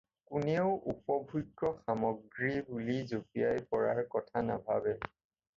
কোনেও উপভোগ্য সামগ্ৰী বুলি জপিয়াই পৰাৰ কথা নাভাবে।